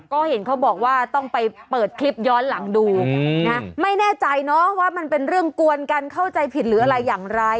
ก็เห็นเขาบอกว่าต้องไปเปิดคลิปย้อนหลังดูนะไม่แน่ใจเนอะว่ามันเป็นเรื่องกวนกันเข้าใจผิดหรืออะไรอย่างไร